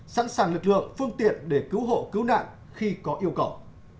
sẵn sàng lực lượng phương tiện để cứu hộ cứu nạn khi có yêu cầu